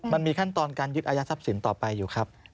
มันมีขั้นตอนการยึดอายัดทรัพย์สินต่อไปอยู่ครับ